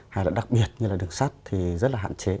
hay là đặc biệt như là đường sắt thì rất là hạn chế